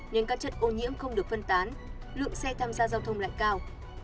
nên các chất ô nhiễm không được phân tán lượng xe tham gia giao thông lại cao